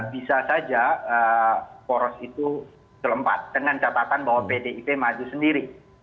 bisa saja poros itu keempat dengan catatan bahwa pdip maju sendiri